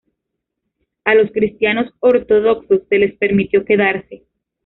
A los cristianos ortodoxos se les permitió quedarse.